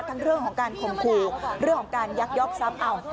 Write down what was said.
ทั้งเรื่องของการขมคูเรื่องของการยักยกซับ